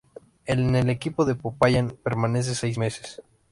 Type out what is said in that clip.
En el equipo de Popayán permanece seis meses.